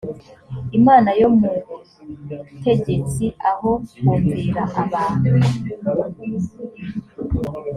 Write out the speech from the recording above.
imana yo mutegetsi aho kumvira abantu.